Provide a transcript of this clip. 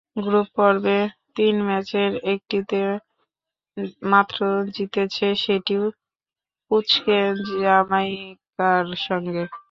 Group পর্বে তিন ম্যাচের একটিতে মাত্র জিতেছে, সেটিও পুঁচকে জ্যামাইকার সঙ্গে।